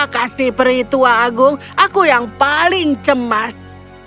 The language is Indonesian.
kasih peri tua agung aku yang paling cemas